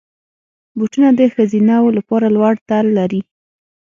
بوټونه د ښځینه وو لپاره لوړ تل لري.